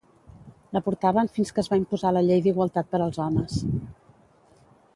La portaven fins que es va imposar la llei d'igualtat per als homes.